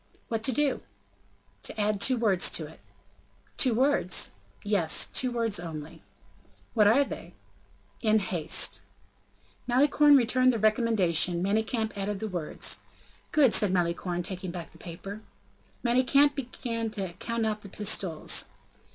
"What to do?" "To add two words to it." "Two words?" "Yes; two words only." "What are they?" "In haste." Malicorne returned the recommendation; Manicamp added the words. "Good," said Malicorne, taking back the paper. Manicamp began to count out the pistoles.